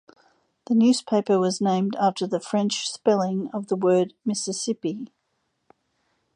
The newspaper was named after the French spelling of the word "Mississippi".